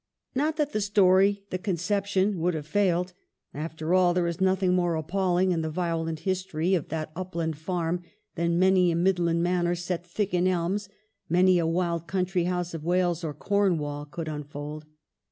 Not that the story, the conception, would have failed. After all there is nothing more appalling in the violent history of that upland farm than many a mid land manor set thick in elms, many a wild country house of Wales or Cornwall, could un fold.